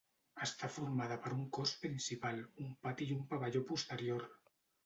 Està formada per un cos principal, un pati i un pavelló posterior.